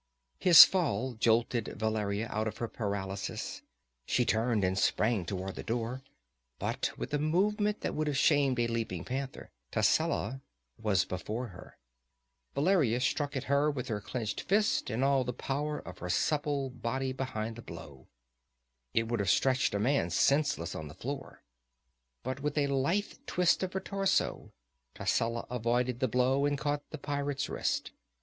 His fall jolted Valeria out of her paralysis. She turned and sprang toward the door, but with a movement that would have shamed a leaping panther, Tascela was before her. Valeria struck at her with her clenched fist, and all the power of her supple body behind the blow. It would have stretched a man senseless on the floor. But with a lithe twist of her torso, Tascela avoided the blow and caught the pirate's wrist.